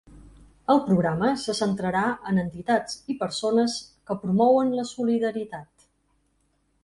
El programa se centrarà en entitats i persones que promouen la solidaritat.